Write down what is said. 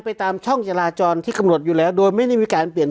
ไปตามช่องจราจรที่กำหนดอยู่แล้วโดยไม่ได้มีการเปลี่ยน